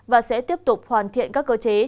và sẽ tiếp tục hoàn thiện các cơ chế